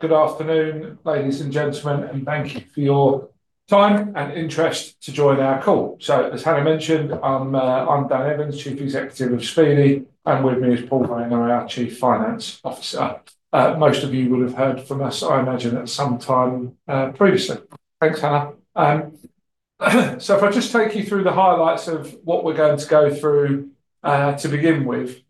Good afternoon, ladies and gentlemen. Thank you for your time and interest to join our call. As Hannah mentioned, I'm Dan Evans, Chief Executive of Speedy, and with me is Paul Rayner, our Chief Finance Officer. Most of you will have heard from us, I imagine, at some time previously. Thanks, Hannah. If I just take you through the highlights of what we're going to go through to begin with.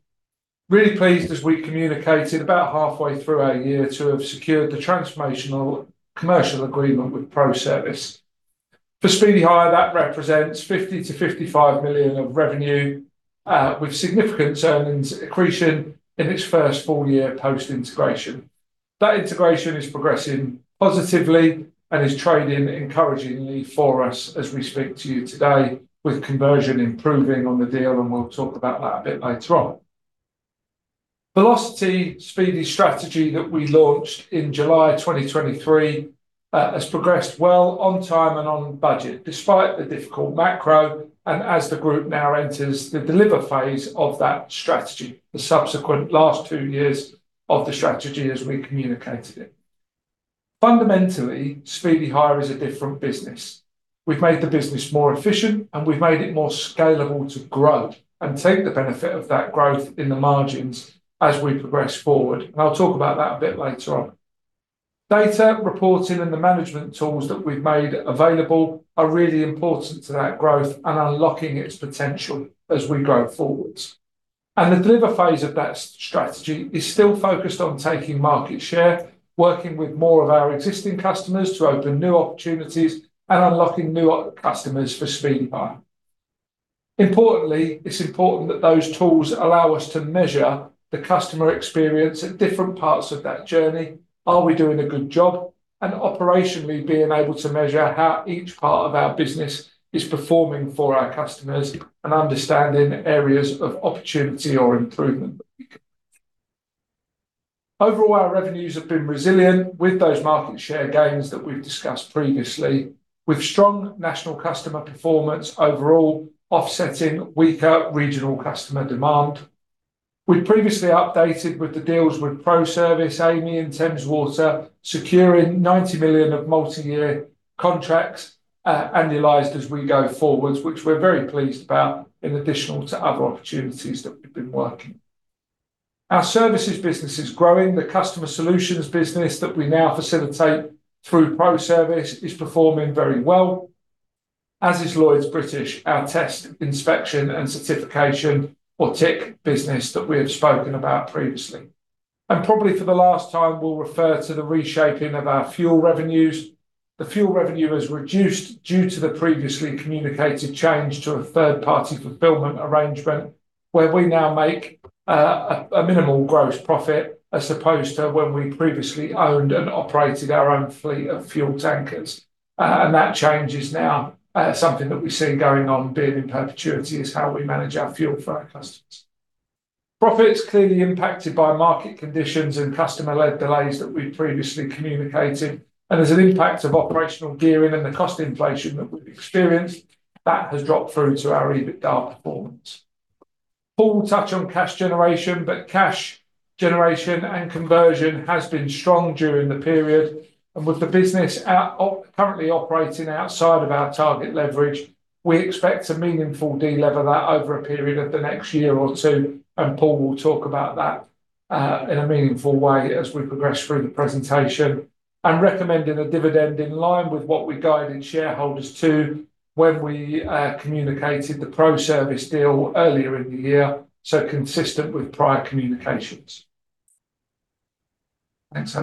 Really pleased as we communicated about halfway through our year to have secured the transformational commercial agreement with ProService. For Speedy Hire, that represents 50 million-55 million of revenue, with significant earnings accretion in its first full year post-integration. That integration is progressing positively and is trading encouragingly for us as we speak to you today with conversion improving on the deal, and we'll talk about that a bit later on. Velocity, Speedy's strategy that we launched in July 2023, has progressed well on time and on budget, despite the difficult macro and as the group now enters the Deliver phase of that strategy, the subsequent last two years of the strategy as we communicated it. Fundamentally, Speedy Hire is a different business. We've made the business more efficient and we've made it more scalable to grow and take the benefit of that growth in the margins as we progress forward, and I'll talk about that a bit later on. Data reporting and the management tools that we've made available are really important to that growth and unlocking its potential as we grow forwards. The Deliver phase of that strategy is still focused on taking market share, working with more of our existing customers to open new opportunities and unlocking new customers for Speedy Hire. Importantly, it's important that those tools allow us to measure the customer experience at different parts of that journey. Are we doing a good job? Operationally, being able to measure how each part of our business is performing for our customers and understanding areas of opportunity or improvement. Overall, our revenues have been resilient with those market share gains that we've discussed previously, with strong national customer performance overall offsetting weaker regional customer demand. We previously updated with the deals with ProService, Amey and Thames Water, securing 90 million of multi-year contracts, annualized as we go forwards, which we're very pleased about in additional to other opportunities that we've been working. Our services business is growing. The customer solutions business that we now facilitate through ProService is performing very well, as is Lloyds British, our test, inspection, and certification or TIC business that we have spoken about previously. Probably for the last time, we'll refer to the reshaping of our fuel revenues. The fuel revenue has reduced due to the previously communicated change to a third-party fulfillment arrangement, where we now make a minimal gross profit as opposed to when we previously owned and operated our own fleet of fuel tankers. That change is now something that we're seeing going on being in perpetuity is how we manage our fuel for our customers. Profits clearly impacted by market conditions and customer-led delays that we've previously communicated, and as an impact of operational gearing and the cost inflation that we've experienced, that has dropped through to our EBITDA performance. Paul will touch on cash generation, but cash generation and conversion has been strong during the period. With the business currently operating outside of our target leverage, we expect to meaningful de-lever that over a period of the next year or two, and Paul will talk about that in a meaningful way as we progress through the presentation. Recommending a dividend in line with what we guided shareholders to when we communicated the ProService deal earlier in the year, so consistent with prior communications. Thanks,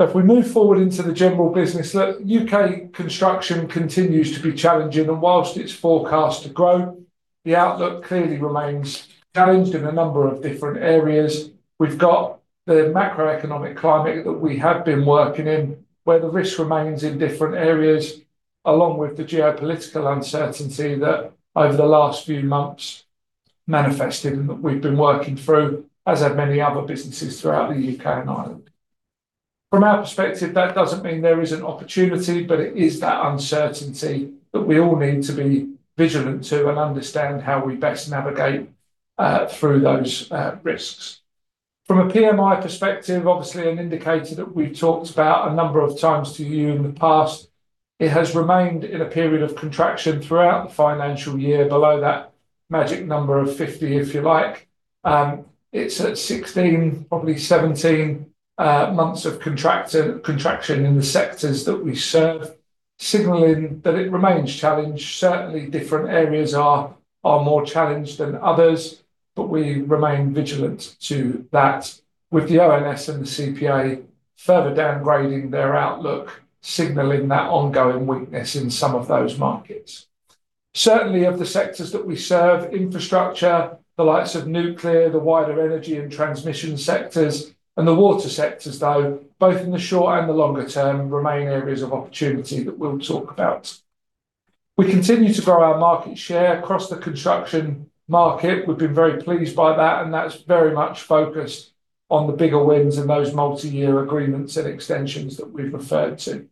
Hannah. If we move forward into the general business, look, U.K. construction continues to be challenging, and whilst it's forecast to grow, the outlook clearly remains challenged in a number of different areas. We've got the macroeconomic climate that we have been working in, where the risk remains in different areas, along with the geopolitical uncertainty that over the last few months manifested and that we've been working through, as have many other businesses throughout the U.K. and Ireland. From our perspective, that doesn't mean there isn't opportunity, but it is that uncertainty that we all need to be vigilant to and understand how we best navigate through those risks. From a PMI perspective, obviously an indicator that we've talked about a number of times to you in the past, it has remained in a period of contraction throughout the financial year below that magic number of 50, if you like. It's at 16, probably 17, months of contraction in the sectors that we serve, signaling that it remains challenged. Certainly different areas are more challenged than others, but we remain vigilant to that with the ONS and the CPA further downgrading their outlook, signaling that ongoing weakness in some of those markets. Certainly of the sectors that we serve, infrastructure, the likes of nuclear, the wider energy and transmission sectors, and the water sectors, though, both in the short and the longer term remain areas of opportunity that we'll talk about. We continue to grow our market share across the construction market. We've been very pleased by that, and that's very much focused on the bigger wins and those multi-year agreements and extensions that we've referred to.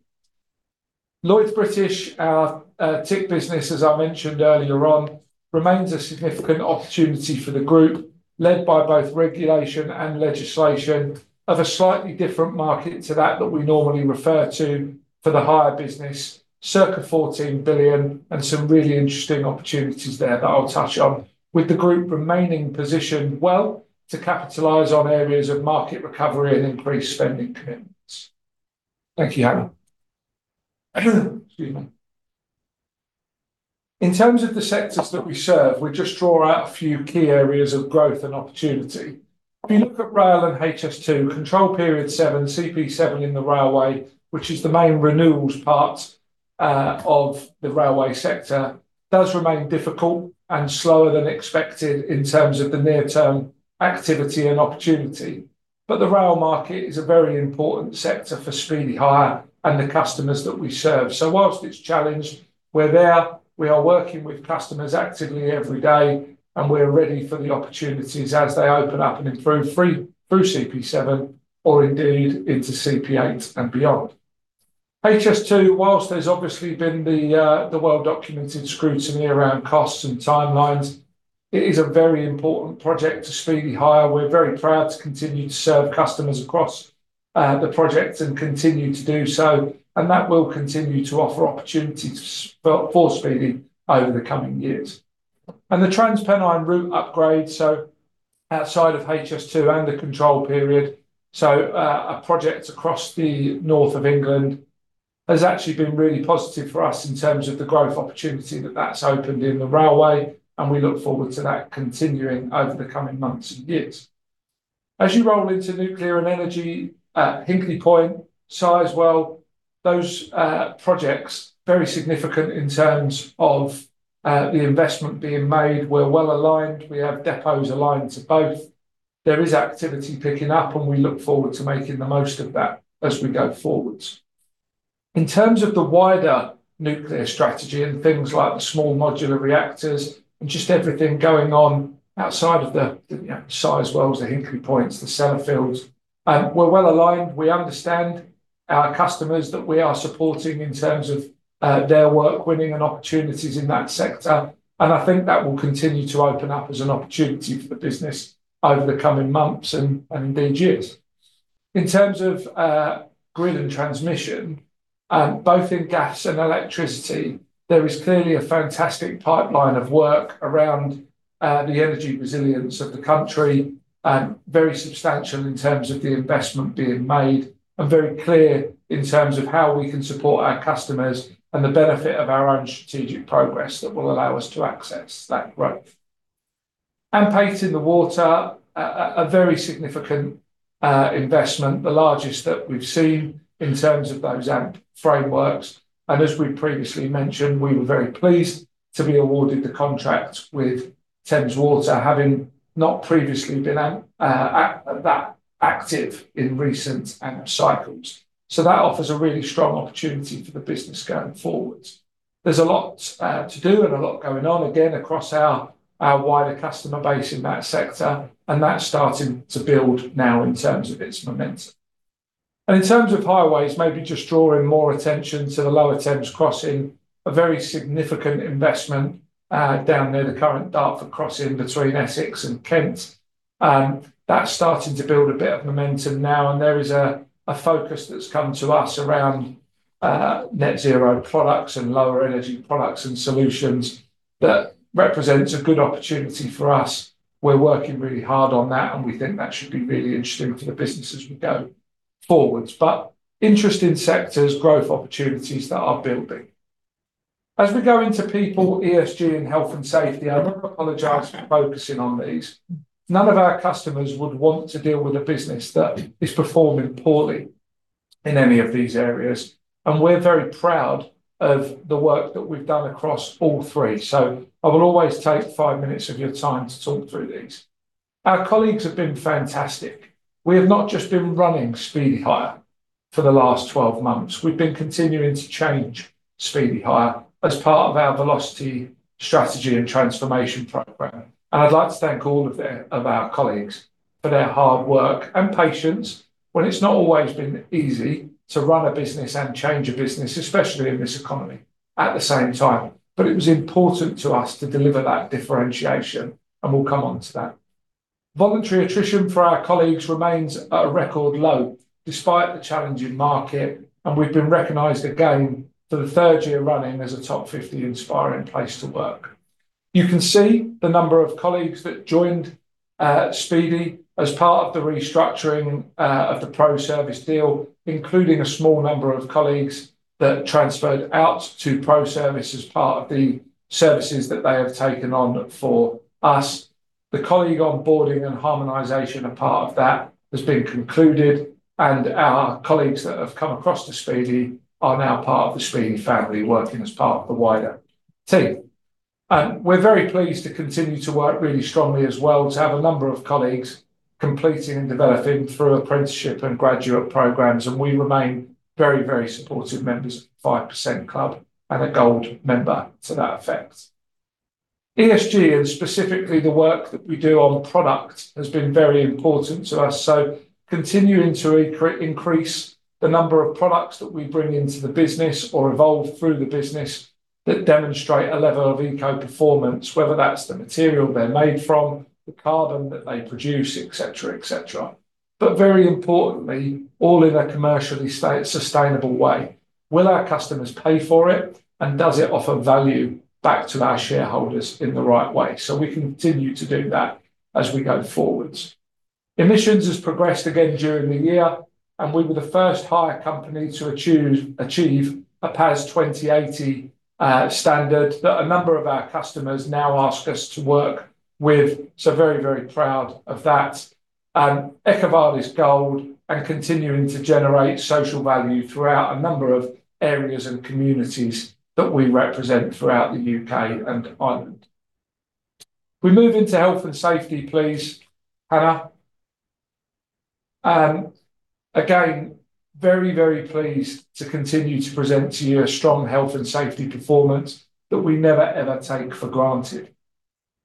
Lloyds British, our TIC business, as I mentioned earlier on, remains a significant opportunity for the group, led by both regulation and legislation of a slightly different market to that that we normally refer to for the hire business, circa 14 billion, and some really interesting opportunities there that I'll touch on with the group remaining positioned well to capitalize on areas of market recovery and increased spending commitments. Thank you, Hannah. Excuse me. In terms of the sectors that we serve, we just draw out a few key areas of growth and opportunity. If you look at rail and HS2, control period 7, CP7 in the railway, which is the main renewals part of the railway sector, does remain difficult and slower than expected in terms of the near-term activity and opportunity. The rail market is a very important sector for Speedy Hire and the customers that we serve. Whilst it's challenged, we're there, we are working with customers actively every day, and we're ready for the opportunities as they open up and through CP7 or indeed into CP8 and beyond. HS2, whilst there's obviously been the well-documented scrutiny around costs and timelines, it is a very important project to Speedy Hire. We're very proud to continue to serve customers across the project and continue to do so. That will continue to offer opportunities for Speedy over the coming years. The TransPennine route upgrade, so outside of HS2 and the control period, a project across the north of England, has actually been really positive for us in terms of the growth opportunity that that's opened in the railway, and we look forward to that continuing over the coming months and years. As you roll into nuclear and energy, Hinkley Point, Sizewell, those projects, very significant in terms of the investment being made. We're well-aligned. We have depots aligned to both. There is activity picking up, and we look forward to making the most of that as we go forward. In terms of the wider nuclear strategy and things like the small modular reactors and just everything going on outside of the Sizewells, the Hinkley Points, the Sellafields, we're well-aligned. We understand our customers that we are supporting in terms of their work winning and opportunities in that sector and I think that will continue to open up as an opportunity for the business over the coming months and indeed years. In terms of grid and transmission, both in gas and electricity, there is clearly a fantastic pipeline of work around the energy resilience of the country, very substantial in terms of the investment being made and very clear in terms of how we can support our customers and the benefit of our own strategic progress that will allow us to access that growth. AMP8 in the water, a very significant investment, the largest that we've seen in terms of those AMP frameworks. As we previously mentioned, we were very pleased to be awarded the contract with Thames Water, having not previously been that active in recent AMP cycles. That offers a really strong opportunity for the business going forward. There's a lot to do and a lot going on, again, across our wider customer base in that sector, and that's starting to build now in terms of its momentum. In terms of highways, maybe just drawing more attention to the Lower Thames Crossing, a very significant investment down near the current Dartford Crossing between Essex and Kent. That's starting to build a bit of momentum now. There is a focus that's come to us around net zero products and lower energy products and solutions that represents a good opportunity for us. We're working really hard on that, and we think that should be really interesting for the business as we go forward. Interesting sectors, growth opportunities that are building. As we go into people, ESG, and health and safety, I apologize for focusing on these. None of our customers would want to deal with a business that is performing poorly in any of these areas and we're very proud of the work that we've done across all three. I will always take five minutes of your time to talk through these. Our colleagues have been fantastic. We have not just been running Speedy Hire for the last 12 months. We've been continuing to change Speedy Hire as part of our Velocity strategy and transformation program and I'd like to thank all of our colleagues for their hard work and patience when it's not always been easy to run a business and change a business, especially in this economy, at the same time. It was important to us to deliver that differentiation, and we'll come onto that. Voluntary attrition for our colleagues remains at a record low despite the challenging market, and we've been recognized again for the third year running as a top 50 inspiring place to work. You can see the number of colleagues that joined Speedy as part of the restructuring of the ProService deal, including a small number of colleagues that transferred out to ProService as part of the services that they have taken on for us. The colleague onboarding and harmonization are part of that has been concluded and our colleagues that have come across to Speedy are now part of the Speedy family working as part of the wider team. We're very pleased to continue to work really strongly as well to have a number of colleagues completing and developing through apprenticeship and graduate programs and we remain very supportive members of The 5% Club and a gold member to that effect. ESG and specifically the work that we do on product has been very important to us. Continuing to increase the number of products that we bring into the business or evolve through the business that demonstrate a level of eco-performance, whether that's the material they're made from, the carbon that they produce, et cetera. Very importantly, all in a commercially sustainable way. Our customers pay for it, and does it offer value back to our shareholders in the right way? We continue to do that as we go forwards. Emissions has progressed again during the year, and we were the first hire company to achieve a PAS 2080 standard that a number of our customers now ask us to work with. Very proud of that. EcoVadis Gold and continuing to generate social value throughout a number of areas and communities that we represent throughout the U.K. and Ireland. Can we move into health and safety, please, Hannah? Again, very pleased to continue to present to you a strong health and safety performance that we never take for granted.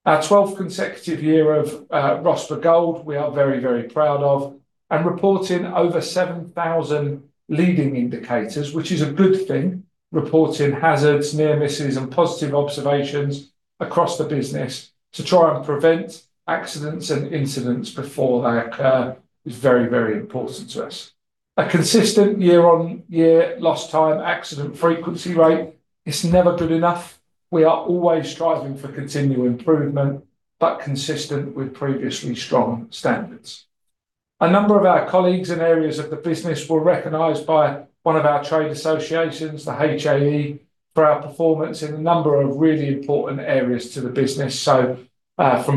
Our 12th consecutive year of RoSPA Gold, we are very proud of and reporting over 7,000 leading indicators, which is a good thing. Reporting hazards, near misses, and positive observations across the business to try and prevent accidents and incidents before they occur is very important to us. A consistent year-on-year lost time accident frequency rate is never good enough. We are always striving for continual improvement, but consistent with previously strong standards. A number of our colleagues in areas of the business were recognized by one of our trade associations, the HAE, for our performance in a number of really important areas to the business. From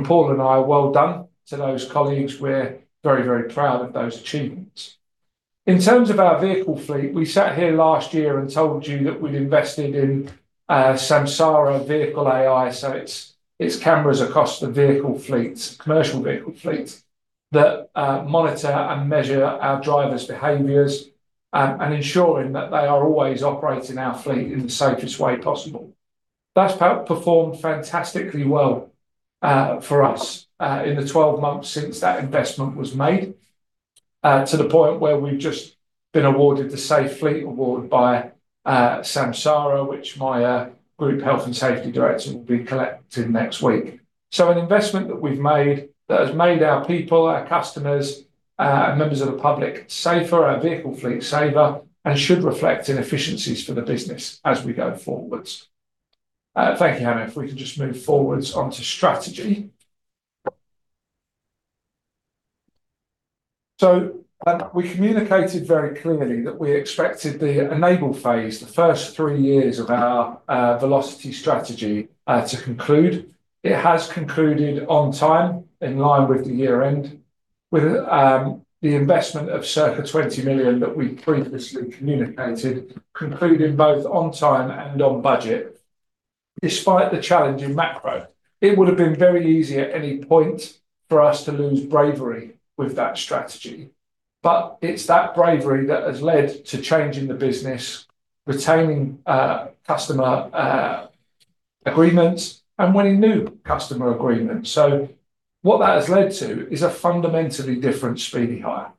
Paul and I, well done to those colleagues. We're very proud of those achievements. In terms of our vehicle fleet, we sat here last year and told you that we'd invested in Samsara Vehicle AI. It's cameras across the vehicle fleet, commercial vehicle fleet, that monitor and measure our drivers' behaviors, and ensuring that they are always operating our fleet in the safest way possible. That's performed fantastically well for us in the 12 months since that investment was made, to the point where we've just been awarded the Safe Fleet award by Samsara, which my group health and safety director will be collecting next week. An investment that we've made that has made our people, our customers, and members of the public safer, our vehicle fleet safer, and should reflect in efficiencies for the business as we go forwards. Thank you, Hannah. If we can just move forwards onto strategy. We communicated very clearly that we expected the Enable phase, the first three years of our Velocity strategy, to conclude. It has concluded on time, in line with the year end, with the investment of circa 20 million that we previously communicated concluding both on time and on budget, despite the challenge in macro. It would've been very easy at any point for us to lose bravery with that strategy. It's that bravery that has led to changing the business, retaining customer agreements, and winning new customer agreements. What that has led to is a fundamentally different Speedy Hire.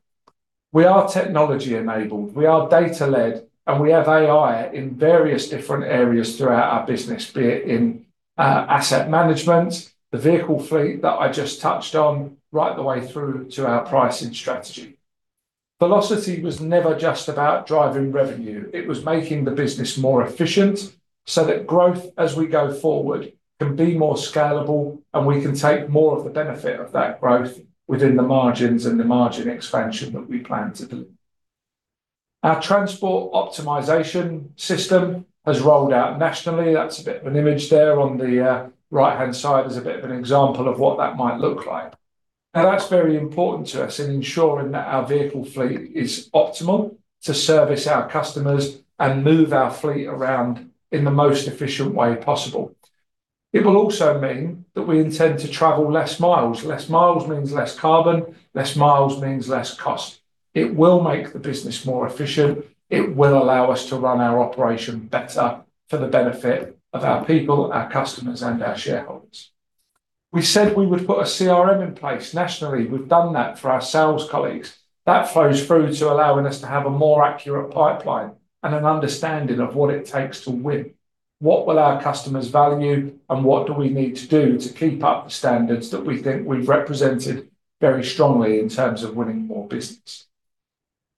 We are technology-enabled, we are data-led, and we have AI in various different areas throughout our business, be it in asset management, the vehicle fleet that I just touched on, right the way through to our pricing strategy. Velocity was never just about driving revenue. It was making the business more efficient that growth as we go forward can be more scalable and we can take more of the benefit of that growth within the margins and the margin expansion that we plan to do. Our transport optimization system has rolled out nationally. That's a bit of an image there on the right-hand side as a bit of an example of what that might look like. That's very important to us in ensuring that our vehicle fleet is optimal to service our customers and move our fleet around in the most efficient way possible. It will also mean that we intend to travel less miles. Less miles means less carbon. Less miles means less cost. It will make the business more efficient. It will allow us to run our operation better for the benefit of our people, our customers, and our shareholders. We said we would put a CRM in place nationally. We've done that for our sales colleagues. That flows through to allowing us to have a more accurate pipeline and an understanding of what it takes to win, what will our customers value, and what do we need to do to keep up the standards that we think we've represented very strongly in terms of winning more business.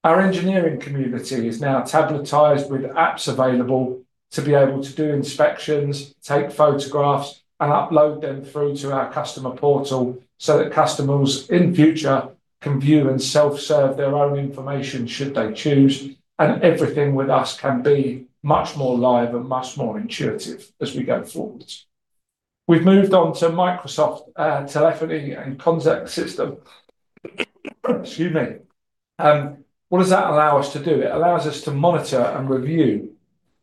Our engineering community is now tabletized with apps available to be able to do inspections, take photographs, and upload them through to our customer portal so that customers in future can view and self-serve their own information should they choose, and everything with us can be much more live and much more intuitive as we go forwards. We've moved on to Microsoft telephony and contact system. Excuse me. What does that allow us to do? It allows us to monitor and review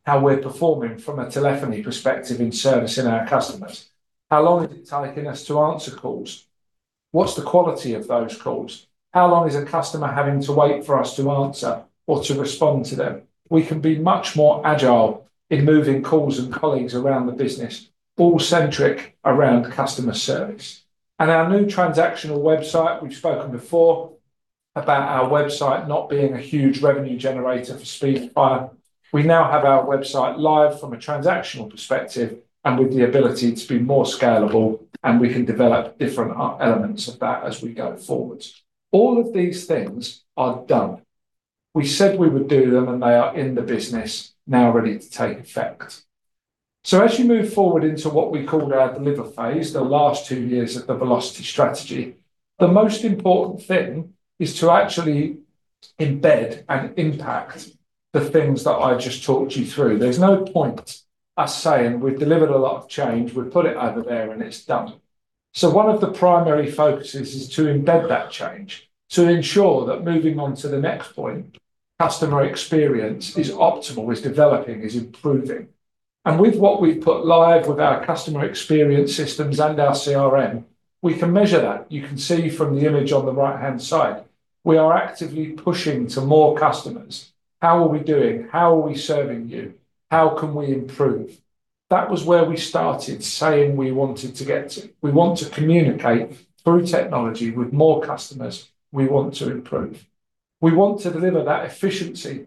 how we're performing from a telephony perspective in servicing our customers. How long is it taking us to answer calls? What's the quality of those calls? How long is a customer having to wait for us to answer or to respond to them? We can be much more agile in moving calls and colleagues around the business, all centric around customer service. Our new transactional website, we've spoken before about our website not being a huge revenue generator for Speedy Hire. We now have our website live from a transactional perspective and with the ability to be more scalable, and we can develop different elements of that as we go forward. All of these things are done. We said we would do them, and they are in the business now ready to take effect. As you move forward into what we call our Deliver phase, the last two years of the Velocity strategy, the most important thing is to actually embed and impact the things that I just talked you through. There's no point us saying we've delivered a lot of change, we've put it over there, and it's done. One of the primary focuses is to embed that change to ensure that moving on to the next point, customer experience is optimal, is developing, is improving. With what we've put live with our customer experience systems and our CRM, we can measure that. You can see from the image on the right-hand side, we are actively pushing to more customers. How are we doing? How are we serving you? How can we improve? That was where we started saying we wanted to get to. We want to communicate through technology with more customers. We want to improve. We want to deliver that efficiency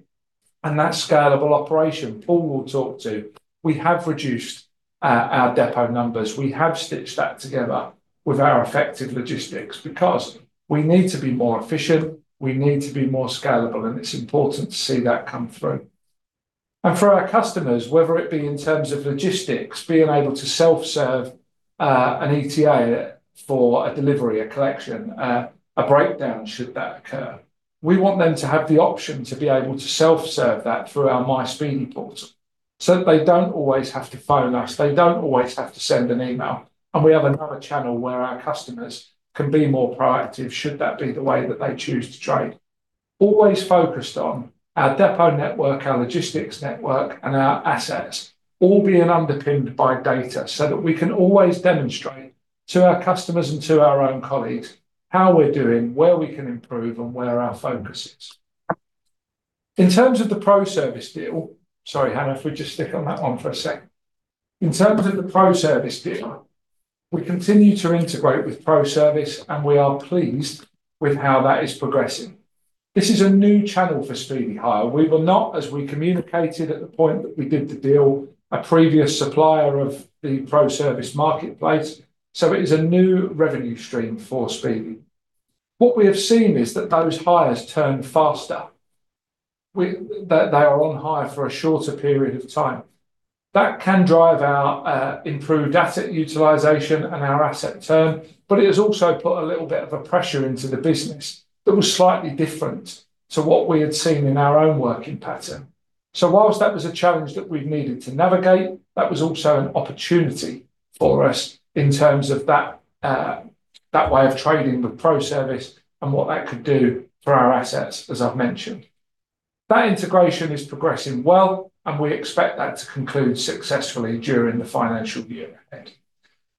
and that scalable operation Paul will talk to. We have reduced our depot numbers. We have stitched that together with our effective logistics because we need to be more efficient, we need to be more scalable, and it's important to see that come through. For our customers, whether it be in terms of logistics, being able to self-serve an ETA for a delivery, a collection, a breakdown should that occur, we want them to have the option to be able to self-serve that through our MySpeedy portal so that they don't always have to phone us, they don't always have to send an email, and we have another channel where our customers can be more proactive should that be the way that they choose to trade. Always focused on our depot network, our logistics network, and our assets all being underpinned by data so that we can always demonstrate to our customers and to our own colleagues how we're doing, where we can improve, and where our focus is. In terms of the ProService deal-- Sorry, Hannah, if we just stick on that one for a sec. In terms of the ProService deal, we continue to integrate with ProService, and we are pleased with how that is progressing. This is a new channel for Speedy Hire. We were not, as we communicated at the point that we did the deal, a previous supplier of the ProService marketplace, so it is a new revenue stream for Speedy. What we have seen is that those hires turn faster, that they are on hire for a shorter period of time. That can drive our improved asset utilization and our asset turn, it has also put a little bit of a pressure into the business that was slightly different to what we had seen in our own working pattern. Whilst that was a challenge that we've needed to navigate, that was also an opportunity for us in terms of that way of trading with ProService and what that could do for our assets, as I've mentioned. That integration is progressing well, and we expect that to conclude successfully during the financial year.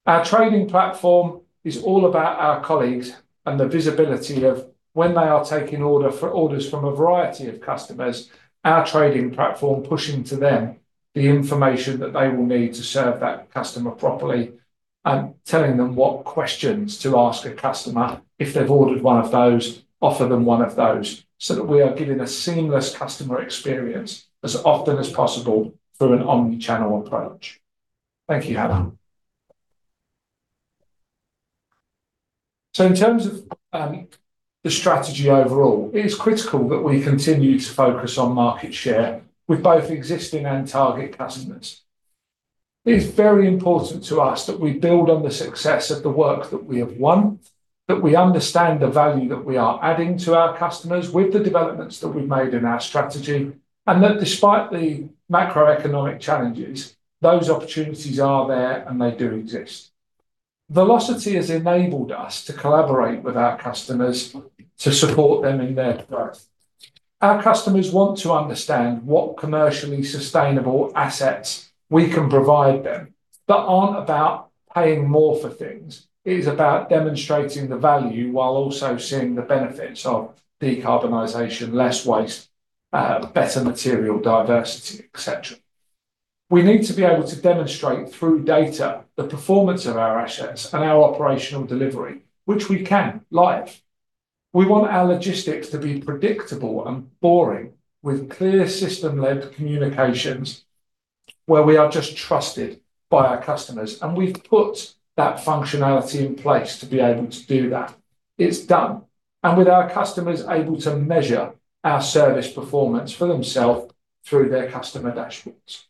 Our trading platform is all about our colleagues and the visibility of when they are taking orders from a variety of customers, our trading platform pushing to them the information that they will need to serve that customer properly and telling them what questions to ask a customer. If they've ordered one of those, offer them one of those, that we are giving a seamless customer experience as often as possible through an omni-channel approach. Thank you, Hannah. In terms of the strategy overall, it is critical that we continue to focus on market share with both existing and target customers. It is very important to us that we build on the success of the work that we have won, that we understand the value that we are adding to our customers with the developments that we've made in our strategy, and that despite the macroeconomic challenges, those opportunities are there, and they do exist. Velocity has enabled us to collaborate with our customers to support them in their growth. Our customers want to understand what commercially sustainable assets we can provide them that aren't about paying more for things. It is about demonstrating the value while also seeing the benefits of decarbonization, less waste, better material diversity, et cetera. We need to be able to demonstrate through data the performance of our assets and our operational delivery, which we can, live. We want our logistics to be predictable and boring with clear system-led communications where we are just trusted by our customers, we've put that functionality in place to be able to do that. It's done, with our customers able to measure our service performance for themselves through their customer dashboards.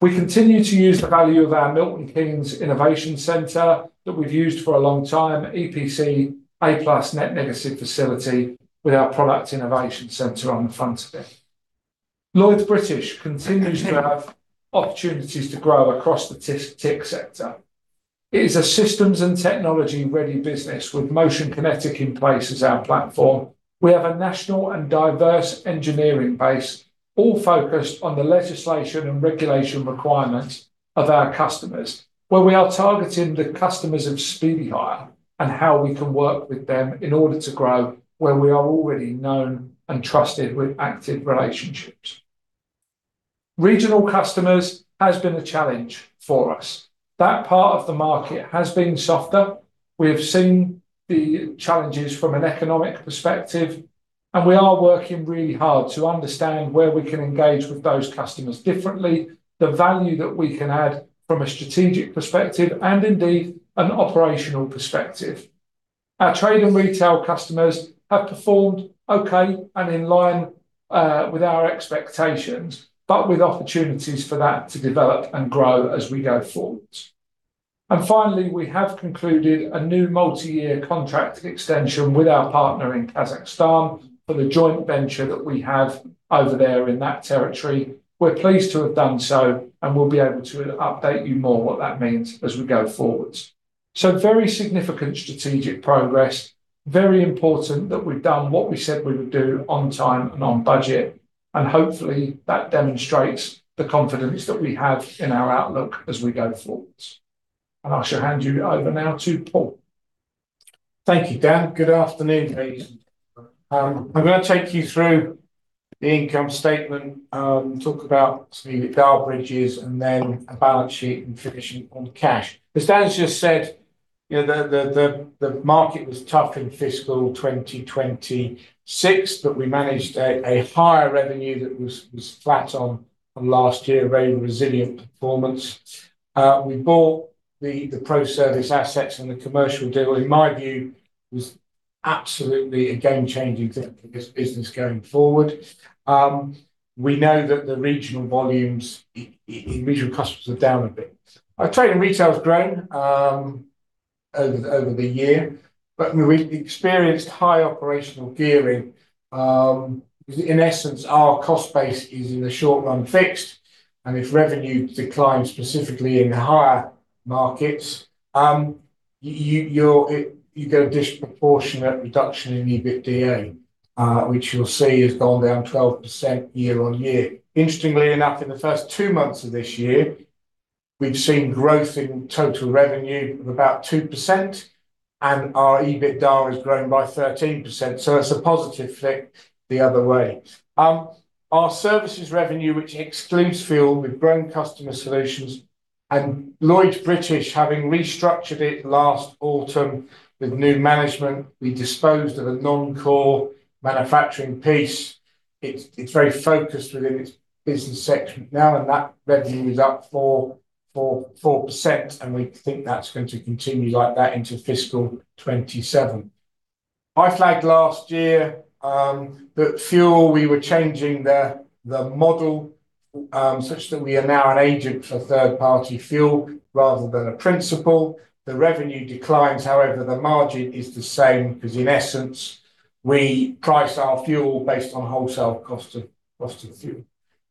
We continue to use the value of our Milton Keynes Innovation Centre that we've used for a long time, EPC A+ net negative facility with our product innovation center on the front of it. Lloyds British continues to have opportunities to grow across the TIC sector. It is a systems and technology-ready business with Motion Kinetic in place as our platform. We have a national and diverse engineering base, all focused on the legislation and regulation requirements of our customers, where we are targeting the customers of Speedy Hire and how we can work with them in order to grow where we are already known and trusted with active relationships. Regional customers has been a challenge for us. That part of the market has been softer. We have seen the challenges from an economic perspective, we are working really hard to understand where we can engage with those customers differently, the value that we can add from a strategic perspective, indeed, an operational perspective. Our trade and retail customers have performed okay and in line with our expectations, with opportunities for that to develop and grow as we go forwards. Finally, we have concluded a new multi-year contract extension with our partner in Kazakhstan for the joint venture that we have over there in that territory. We are pleased to have done so, and we will be able to update you more what that means as we go forwards. Very significant strategic progress, very important that we have done what we said we would do on time and on budget, and hopefully that demonstrates the confidence that we have in our outlook as we go forwards. I shall hand you over now to Paul. Thank you, Dan. Good afternoon, ladies and gentlemen. I am going to take you through the income statement, talk about some of the bridges, and then a balance sheet and finishing on cash. As Dan's just said, the market was tough in fiscal 2026, but we managed a higher revenue that was flat on last year, a very resilient performance. We bought the ProService assets and the commercial deal, in my view, was absolutely a game-changing thing for this business going forward. We know that the regional volumes, regional customers are down a bit. Our trade and retail has grown over the year, but we experienced high operational gearing. In essence, our cost base is in the short run fixed, and if revenue declines specifically in hire markets, you get a disproportionate reduction in EBITDA, which you will see has gone down 12% year-on-year. Interestingly enough, in the first two months of this year, we have seen growth in total revenue of about 2%, and our EBITDA has grown by 13%, so it is a positive flick the other way. Our services revenue, which excludes fuel, we have grown customer solutions, and Lloyds British, having restructured it last autumn with new management, we disposed of a non-core manufacturing piece. It is very focused within its business section now, and that revenue is up 4%, and we think that is going to continue like that into fiscal 2027. I flagged last year that fuel, we were changing the model, such that we are now an agent for third-party fuel rather than a principal. The revenue declines, however, the margin is the same because in essence, we price our fuel based on wholesale cost of fuel.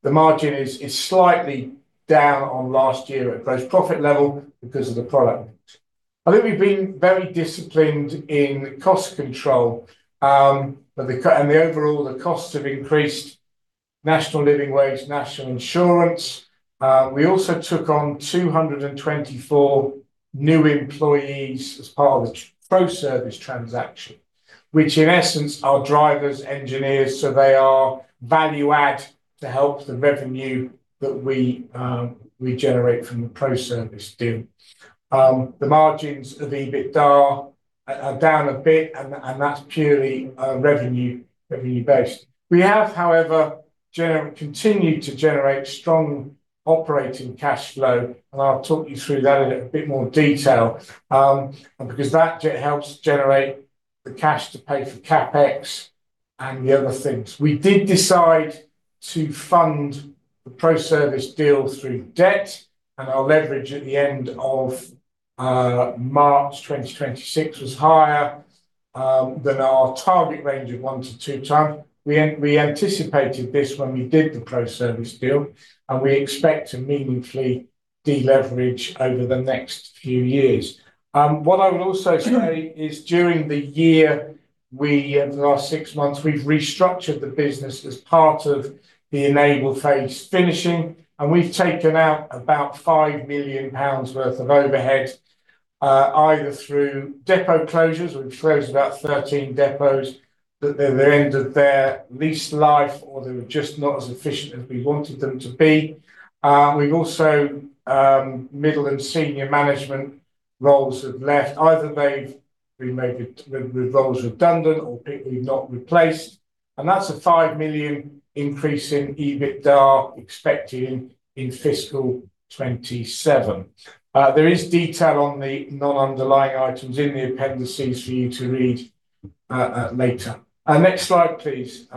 The margin is slightly down on last year at gross profit level because of the product mix. I think we have been very disciplined in cost control, the overall the costs have increased, national living wage, national insurance. We also took on 224 new employees as part of the ProService transaction, which in essence are drivers, engineers, so they are value add to help the revenue that we generate from the ProService deal. The margins of EBITDA are down a bit, that is purely revenue-based. We have, however, continued to generate strong operating cash flow, and I will talk you through that in a bit more detail, because that helps generate the cash to pay for CapEx and the other things. We did decide to fund the ProService deal through debt, and our leverage at the end of March 2026 was higher than our target range of 1x to 2x. We anticipated this when we did the ProService deal, and we expect to meaningfully deleverage over the next few years. What I would also say is during the year, the last six months, we've restructured the business as part of the Enable phase finishing, and we've taken out about 5 million pounds worth of overheads, either through depot closures. We've closed about 13 depots that they're at the end of their lease life or they were just not as efficient as we wanted them to be. We've also, middle and senior management roles have left. Either we made the roles redundant or people we've not replaced, and that's a 5 million increase in EBITDA expected in FY 2027. There is detail on the non-underlying items in the appendices for you to read later. Next slide, please.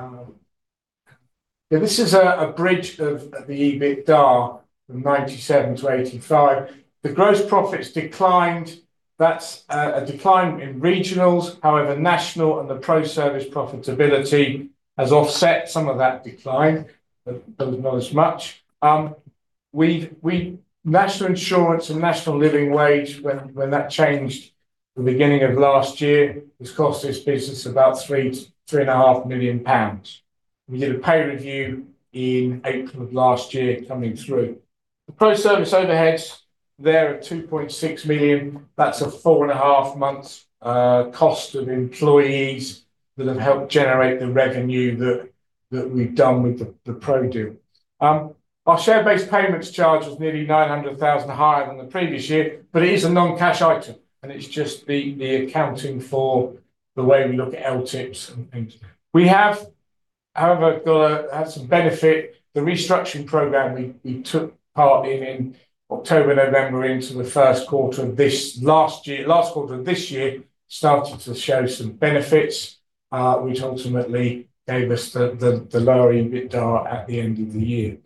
This is a bridge of the EBITDA from 97 million to 85 million. The gross profits declined. That's a decline in regionals. National and the ProService profitability has offset some of that decline, but not as much. National Insurance and National Living Wage, when that changed at the beginning of last year, has cost this business about 3.5 million pounds. We did a pay review in April of last year coming through. The ProService overheads there are 2.6 million. That's a four and a half months cost of employees that have helped generate the revenue that we've done with the ProService deal. Our share-based payments charge was nearly 900,000 higher than the previous year, but it is a non-cash item, and it's just the accounting for the way we look at LTIPs and things. We have, however, had some benefit. The restructuring program we took part in in October, November, into the first quarter of this last year, last quarter of this year, started to show some benefits, which ultimately gave us the lower EBITDA at the end of the year.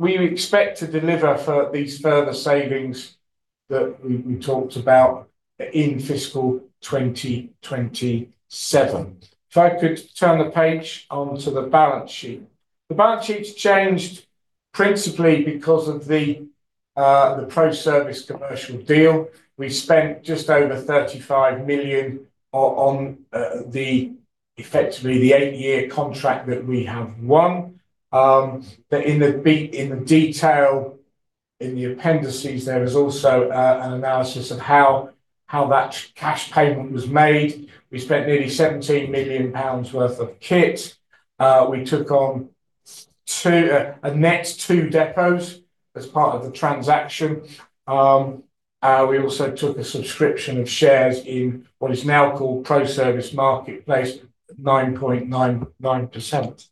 We expect to deliver these further savings that we talked about in FY 2027. If I could turn the page onto the balance sheet. The balance sheet's changed principally because of the ProService commercial deal. We spent just over 35 million on effectively the 8-year contract that we have won. In the detail in the appendices, there is also an analysis of how that cash payment was made. We spent nearly 17 million pounds worth of kit. We took on a net two depots as part of the transaction. We also took a subscription of shares in what is now called ProService Marketplace, 9.99%.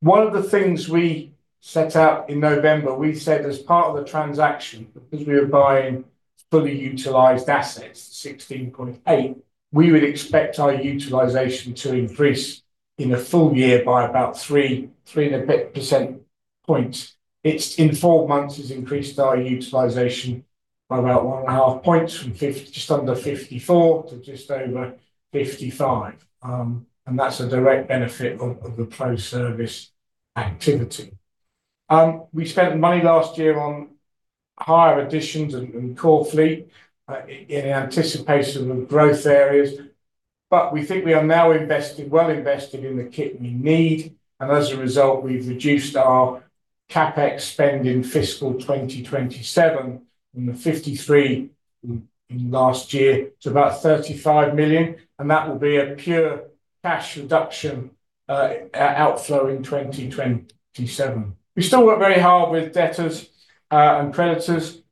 One of the things we set out in November, we said as part of the transaction, because we were buying fully utilized assets, 16.8, we would expect our utilization to increase in a full year by about 3 percentage points. It's in four months has increased our utilization by about one and a half points from just under 54% to just over 55%, and that's a direct benefit of the ProService activity. We spent money last year on hire additions and core fleet in anticipation of growth areas. We think we are now well invested in the kit we need, as a result, we've reduced our CapEx spend in fiscal 2027 from 53 million in last year to about 35 million, and that will be a pure cash reduction outflow in 2027. We still work very hard with debtors and creditors.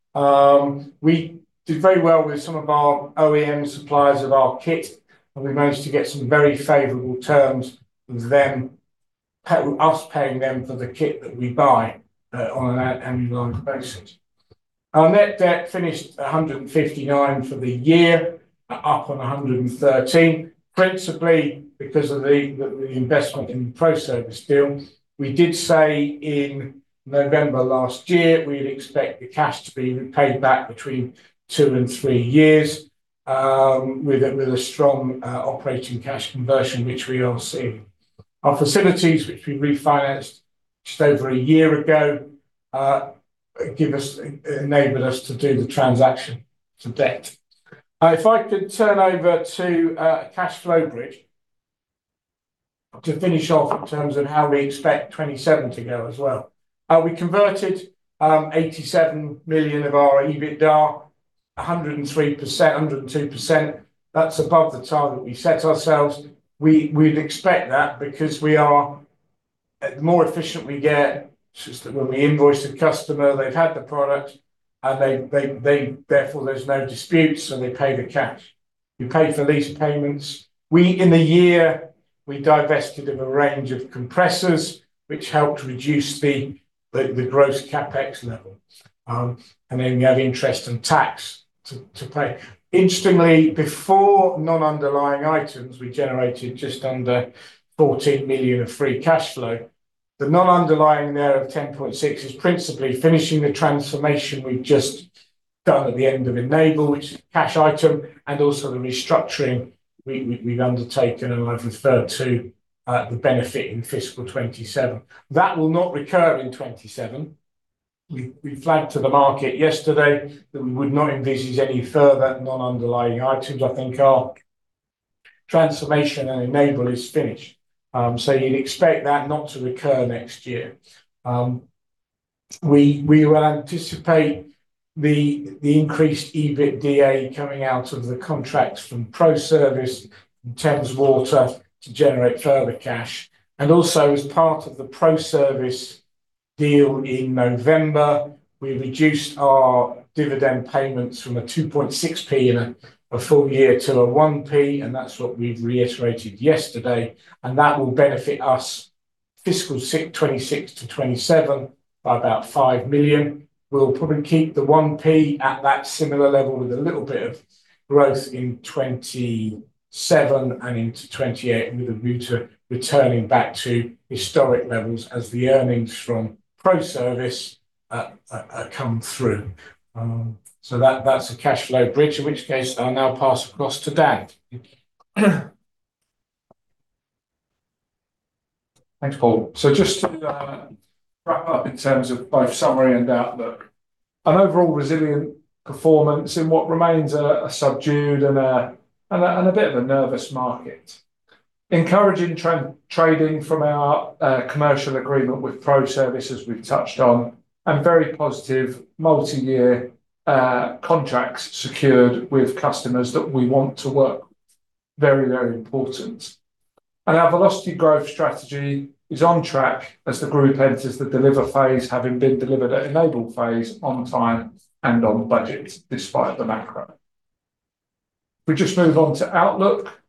We did very well with some of our OEM suppliers of our kit, and we managed to get some very favorable terms with us paying them for the kit that we buy on an annual ongoing basis. Our net debt finished 159 million for the year, up on 113 million, principally because of the investment in the ProService deal. We did say in November last year we'd expect the cash to be paid back between two and three years with a strong operating cash conversion, which we are seeing. I could turn over to cash flow bridge to finish off in terms of how we expect 2027 to go as well. We converted 87 million of our EBITDA, 103%, 102%. That's above the target we set ourselves. We'd expect that because the more efficient we get, it's just that when we invoice the customer, they've had the product, and therefore there's no disputes, and they pay the cash. You pay for lease payments. We, in the year, we divested of a range of compressors, which helped reduce the gross CapEx level. Then you have interest and tax to pay. Interestingly, before non-underlying items, we generated just under 14 million of free cash flow. The non-underlying there of 10.6 million is principally finishing the transformation we've just done at the end of Enable, which is a cash item, also the restructuring we've undertaken, and I've referred to the benefit in fiscal 2027. That will not recur in 2027. We flagged to the market yesterday that we would not envisage any further non-underlying items. I think our transformation and Enable is finished. You'd expect that not to recur next year. We will anticipate the increased EBITDA coming out of the contracts from ProService and Thames Water to generate further cash. Also as part of the ProService deal in November, we reduced our dividend payments from a 0.026 in a full year to a 0.01, and that's what we've reiterated yesterday, and that will benefit us fiscal 2026 to 2027 by about 5 million. We'll probably keep the 0.01 at that similar level with a little bit of growth in 2027 and into 2028 with a return returning back to historic levels as the earnings from ProService come through. That's a cash flow bridge, in which case I'll now pass across to Dan. Thanks, Paul. Just to wrap up in terms of both summary and outlook. An overall resilient performance in what remains a subdued and a bit of a nervous market. Encouraging trading from our commercial agreement with ProService we've touched on, and very positive multi-year contracts secured with customers that we want to work. Very important. Our Velocity growth strategy is on track as the group enters the Deliver phase, having been delivered at Enable phase on time and on budget despite the macro. We just move on to outlook.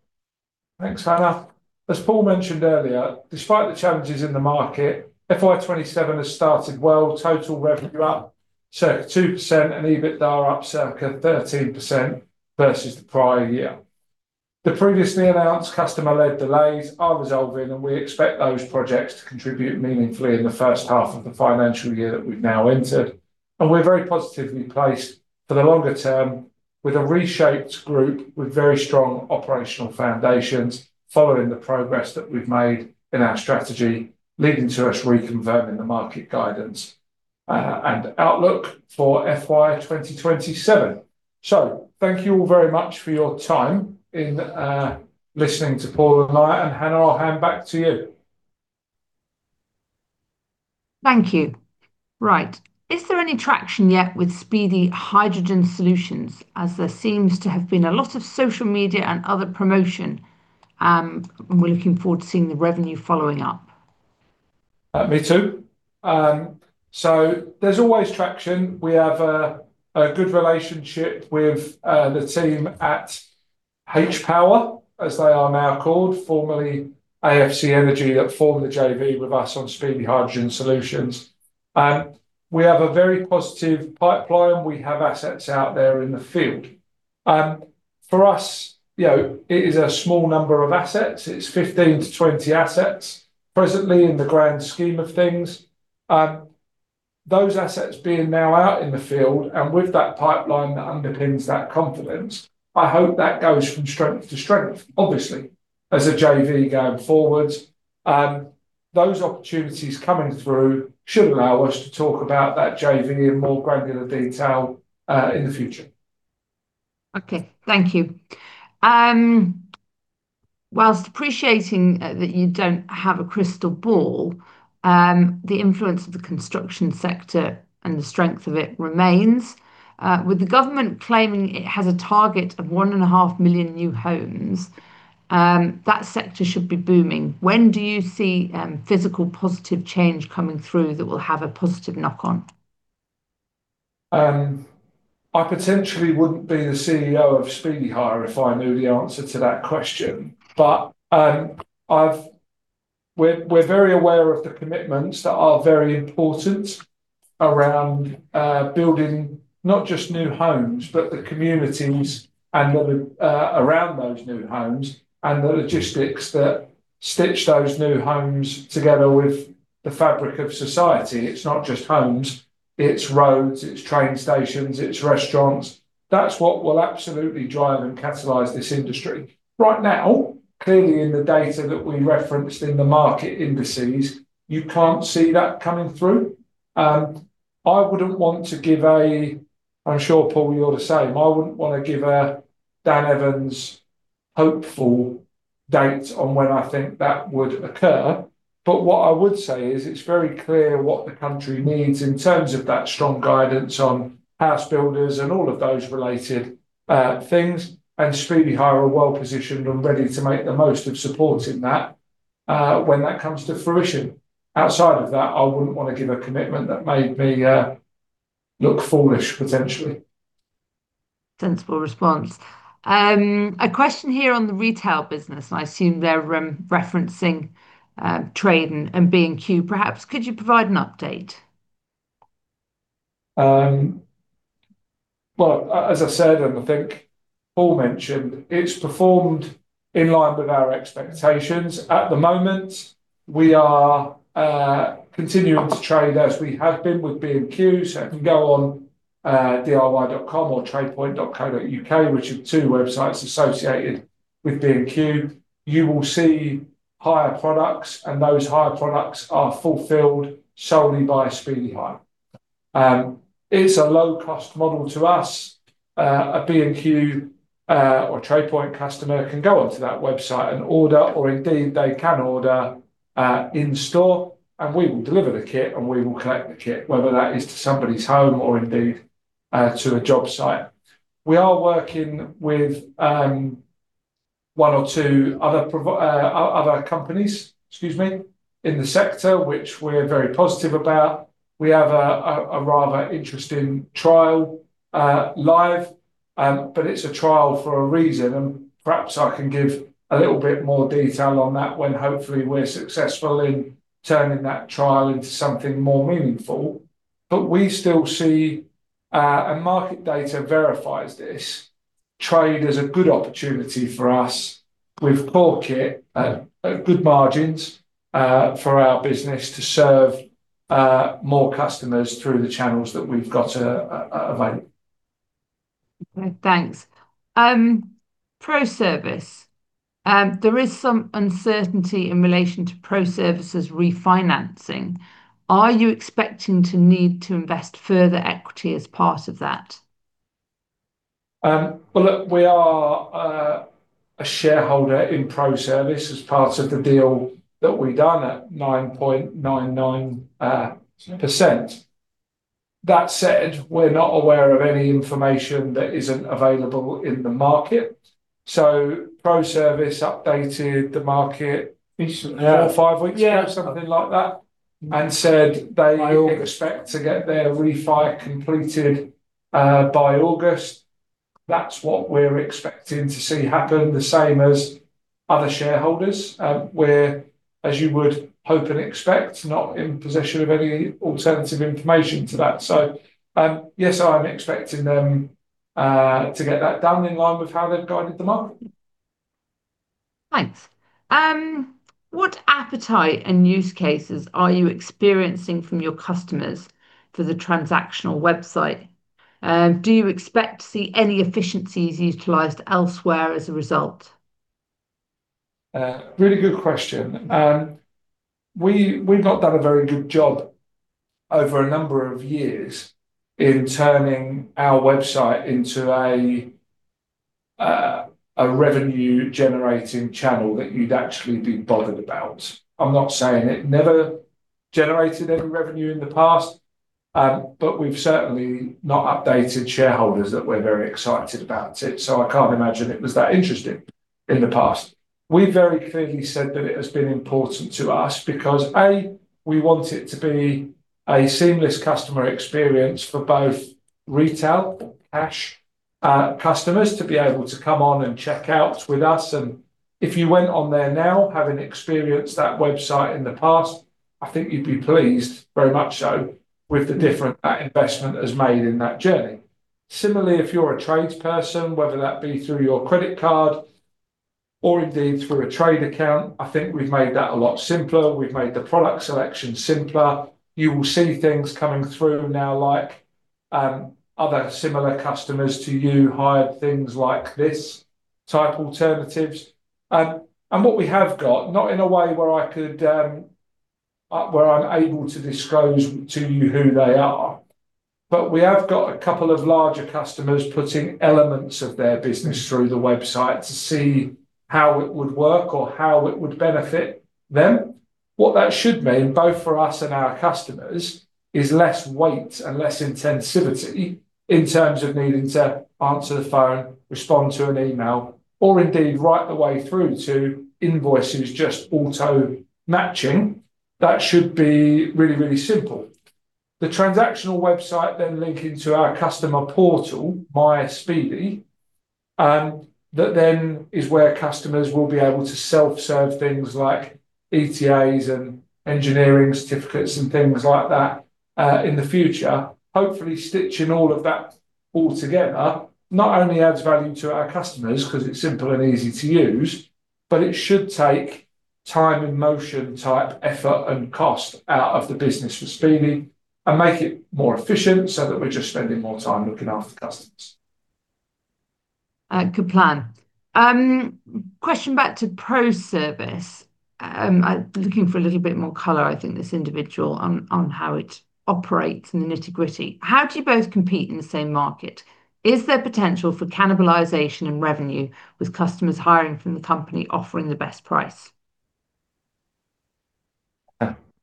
Thanks, Hannah. As Paul mentioned earlier, despite the challenges in the market, FY 2027 has started well. Total revenue up circa 2% and EBITDA up circa 13% versus the prior year. The previously announced customer-led delays are resolving, and we expect those projects to contribute meaningfully in the first half of the financial year that we've now entered. We're very positively placed for the longer term with a reshaped group with very strong operational foundations following the progress that we've made in our strategy, leading to us reconfirming the market guidance and outlook for FY 2027. Thank you all very much for your time in listening to Paul and I, and Hannah, I'll hand back to you. Thank you. Right. Is there any traction yet with Speedy Hydrogen Solutions, as there seems to have been a lot of social media and other promotion, and we're looking forward to seeing the revenue following up. Me too. There's always traction. We have a good relationship with the team at H-Power, as they are now called, formerly AFC Energy that formed the JV with us on Speedy Hydrogen Solutions. We have a very positive pipeline. We have assets out there in the field. For us, it is a small number of assets. It's 15 to 20 assets presently in the grand scheme of things. Those assets being now out in the field and with that pipeline that underpins that confidence, I hope that goes from strength to strength, obviously, as a JV going forward. Those opportunities coming through should allow us to talk about that JV in more granular detail in the future. Okay. Thank you. Whilst appreciating that you don't have a crystal ball, the influence of the construction sector and the strength of it remains. With the government claiming it has a target of 1.5 million new homes, that sector should be booming. When do you see physical positive change coming through that will have a positive knock-on? I potentially wouldn't be the CEO of Speedy Hire if I knew the answer to that question, but we're very aware of the commitments that are very important around building not just new homes, but the communities around those new homes and the logistics that stitch those new homes together with the fabric of society. It's not just homes, it's roads, it's train stations, it's restaurants. That's what will absolutely drive and catalyze this industry. Right now, clearly in the data that we referenced in the market indices, you can't see that coming through. I'm sure, Paul, you're the same. I wouldn't want to give a Dan Evans hopeful date on when I think that would occur. What I would say is it's very clear what the country needs in terms of that strong guidance on house builders and all of those related things, and Speedy Hire are well-positioned and ready to make the most of supporting that when that comes to fruition. Outside of that, I wouldn't want to give a commitment that made me look foolish, potentially. Sensible response. A question here on the retail business. I assume they're referencing trade and B&Q perhaps. Could you provide an update? As I said, and I think Paul mentioned, it's performed in line with our expectations. At the moment, we are continuing to trade as we have been with B&Q. If you go on diy.com or tradepoint.co.uk which are two websites associated with B&Q, you will see hire products and those hire products are fulfilled solely by Speedy Hire. It's a low-cost model to us. A B&Q or TradePoint customer can go onto that website and order, or indeed they can order in store and we will deliver the kit and we will collect the kit, whether that is to somebody's home or indeed to a job site. We are working with one or two other companies, excuse me, in the sector, which we're very positive about. We have a rather interesting trial live, but it's a trial for a reason. Perhaps I can give a little bit more detail on that when hopefully we're successful in turning that trial into something more meaningful. We still see, and market data verifies this, trade as a good opportunity for us with core kit at good margins for our business to serve more customers through the channels that we've got available Thanks. ProService. There is some uncertainty in relation to ProService's refinancing. Are you expecting to need to invest further equity as part of that? Look, we are a shareholder in ProService as part of the deal that we done at 9.99%. That said, we're not aware of any information that isn't available in the market. ProService updated the market... Recently. Yeah. Four or five weeks ago, something like that. I think... Expect to get their refi completed by August. That's what we're expecting to see happen, the same as other shareholders. We're, as you would hope and expect, not in possession of any alternative information to that. Yes, I'm expecting them to get that done in line with how they've guided the market. Thanks. What appetite and use cases are you experiencing from your customers for the transactional website? Do you expect to see any efficiencies utilized elsewhere as a result? Really good question. We've not done a very good job over a number of years in turning our website into a revenue-generating channel that you'd actually be bothered about. I'm not saying it never generated any revenue in the past, we've certainly not updated shareholders that we're very excited about it, I can't imagine it was that interesting in the past. We very clearly said that it has been important to us because, A, we want it to be a seamless customer experience for both retail, cash customers to be able to come on and check out with us. If you went on there now, having experienced that website in the past, I think you'd be pleased, very much so, with the different that investment has made in that journey. Similarly, if you're a tradesperson, whether that be through your credit card or indeed through a trade account, I think we've made that a lot simpler. We've made the product selection simpler. You will see things coming through now like, other similar customers to you hired things like this type alternatives. What we have got, not in a way where I'm able to disclose to you who they are, we have got a couple of larger customers putting elements of their business through the website to see how it would work or how it would benefit them. What that should mean, both for us and our customers, is less wait and less intensity in terms of needing to answer the phone, respond to an email, or indeed right the way through to invoices just auto-matching. That should be really, really simple. The transactional website then link into our customer portal, MySpeedy, that then is where customers will be able to self-serve things like ETAs and engineering certificates and things like that, in the future. Hopefully, stitching all of that all together not only adds value to our customers because it's simple and easy to use, it should take time and motion type effort and cost out of the business for Speedy Hire and make it more efficient so that we're just spending more time looking after customers. Good plan. Question back to ProService. Looking for a little bit more color, I think, this individual, on how it operates in the nitty-gritty. How do you both compete in the same market? Is there potential for cannibalization and revenue with customers hiring from the company offering the best price?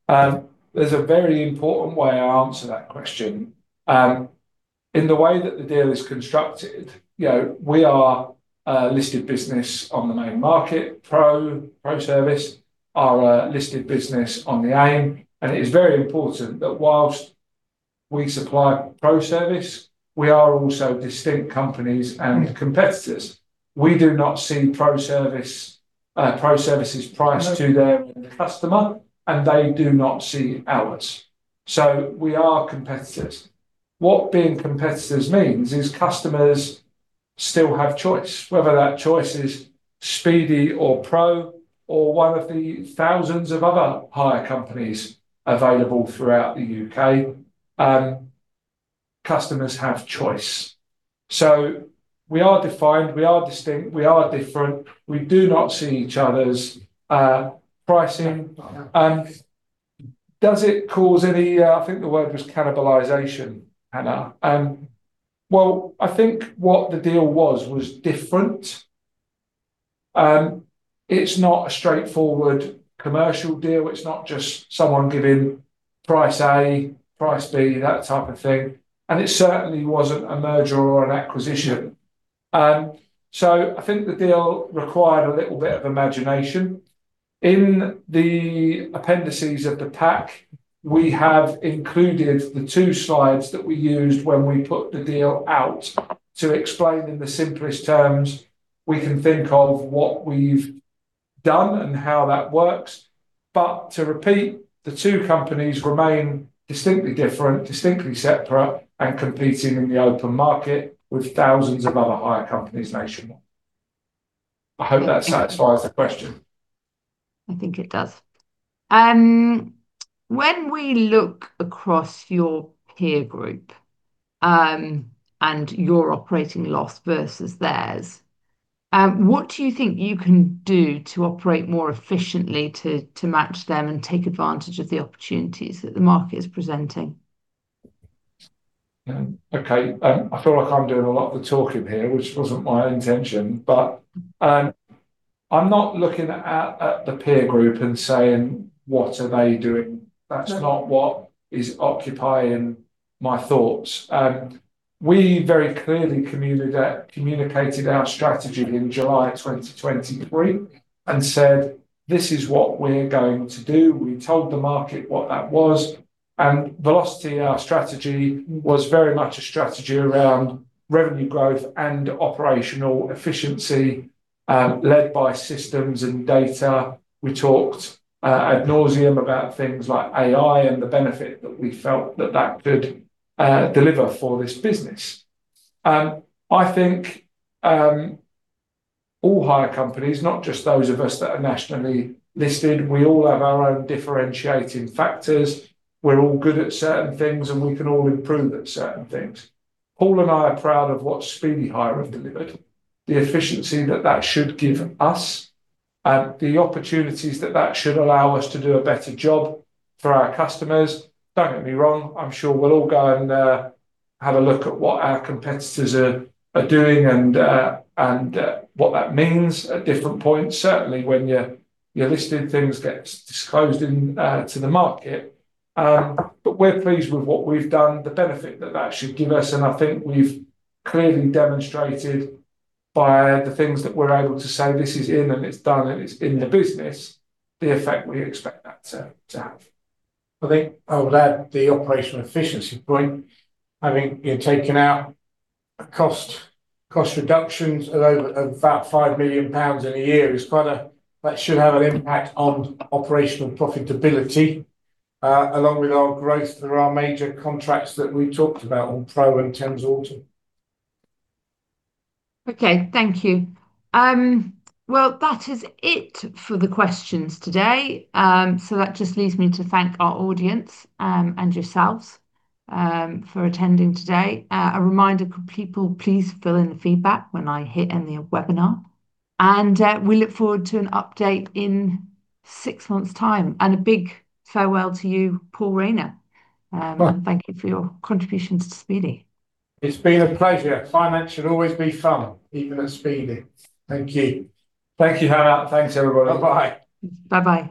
There's a very important way I answer that question. In the way that the deal is constructed, we are a listed business on the main market. ProService are a listed business on the AIM. It is very important that whilst we supply ProService, we are also distinct companies and competitors. We do not see ProService's price... No... To their customer, and they do not see ours. We are competitors. What being competitors means is customers still have choice, whether that choice is Speedy or Pro or one of the thousands of other hire companies available throughout the U.K. Customers have choice. We are defined, we are distinct, we are different. We do not see each other's pricing. No. Does it cause any, I think the word was cannibalization, Hannah. Well, I think what the deal was was different. It's not a straightforward commercial deal. It's not just someone giving price A, price B, that type of thing. It certainly wasn't a merger or an acquisition. I think the deal required a little bit of imagination. In the appendices of the pack, we have included the two slides that we used when we put the deal out to explain in the simplest terms we can think of what we've done and how that works. To repeat, the two companies remain distinctly different, distinctly separate, and competing in the open market with thousands of other hire companies nationwide. I hope that satisfies the question. I think it does. When we look across your peer group, and your operating loss versus theirs, what do you think you can do to operate more efficiently to match them and take advantage of the opportunities that the market is presenting? Okay. I feel like I'm doing a lot of the talking here, which wasn't my intention. I'm not looking out at the peer group and saying, what are they doing? No. That's not what is occupying my thoughts. We very clearly communicated our strategy in July 2023 and said, this is what we're going to do. We told the market what that was. Velocity, our strategy, was very much a strategy around revenue growth and operational efficiency, led by systems and data. We talked ad nauseam about things like AI and the benefit that we felt that that could deliver for this business. I think all hire companies, not just those of us that are nationally listed, we all have our own differentiating factors. We're all good at certain things, and we can all improve at certain things. Paul and I are proud of what Speedy Hire have delivered, the efficiency that that should give us, the opportunities that that should allow us to do a better job for our customers. Don't get me wrong, I'm sure we'll all go and have a look at what our competitors are doing and what that means at different points. Certainly, when you're listed, things get disclosed to the market. We're pleased with what we've done, the benefit that that should give us, and I think we've clearly demonstrated by the things that we're able to say, this is in, and it's done, and it's in the business, the effect we expect that to have. I think I would add the operational efficiency point. I think taking out cost reductions of over about 5 million pounds in a year. That should have an impact on operational profitability, along with our growth through our major contracts that we talked about on Pro and Thames Water. Okay. Thank you. Well, that is it for the questions today. That just leaves me to thank our audience and yourselves for attending today. A reminder for people, please fill in the feedback when I hit end the webinar. We look forward to an update in six months' time. A big farewell to you, Paul Rayner. Bye. Thank you for your contributions to Speedy. It's been a pleasure. Finance should always be fun, even at Speedy. Thank you. Thank you, Hannah. Thanks everybody. Bye-bye. Bye-bye.